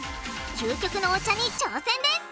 究極のお茶に挑戦です！